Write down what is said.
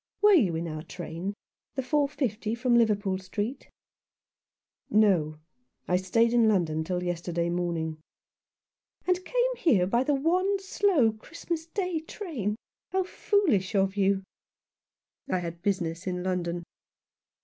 Were you in our train — the 4.50 from Liverpool Street ?"" No ; I stayed in London till yesterday morn ing" "And came by the one slow Christmas Day train. How foolish of you !"" I had business in London."